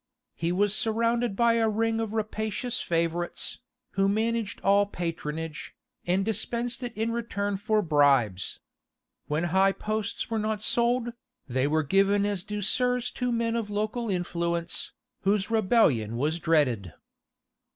He was surrounded by a ring of rapacious favourites, who managed all patronage, and dispensed it in return for bribes. When high posts were not sold, they were given as douceurs to men of local influence, whose rebellion was dreaded.